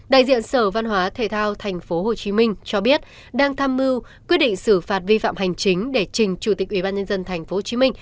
đại diện sở văn hóa thể thao tp hcm cho biết đang tham mưu quyết định xử phạt vi phạm hành chính để trình chủ tịch ubnd tp hcm